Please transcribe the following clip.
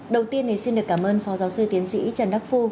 đầu tiên thì xin được cảm ơn phó giáo sư tiến sĩ trần đắc phu